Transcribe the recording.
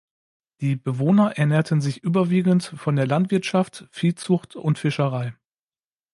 Die Bewohner ernährten sich überwiegend von der Landwirtschaft, Viehzucht und Fischerei.